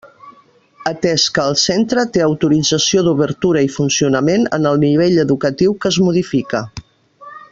Atès que el centre té autorització d'obertura i funcionament en el nivell educatiu que es modifica.